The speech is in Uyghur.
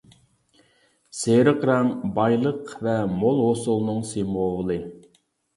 سېرىق رەڭ بايلىق ۋە مول ھوسۇلنىڭ سىمۋولى.